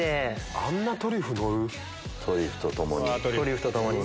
あんなトリュフのる⁉トリュフと共に。